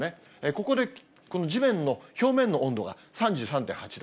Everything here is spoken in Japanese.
ここで地面の表面の温度、３３．８度。